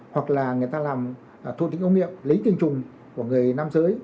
hoặc là người ta làm thuộc tinh công nghiệp lấy tinh trùng của người nam giới